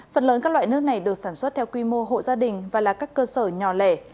phần lớn các loại nước này được sản xuất theo quy mô hộ gia đình và là các cơ sở nhỏ lẻ